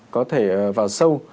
có thể vào sâu